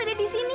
saya gak sengaja